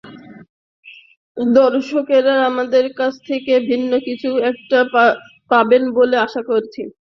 দর্শকেরাও আমার কাছ থেকে ভিন্ন কিছু একটা পাবেন বলে আশা করছি।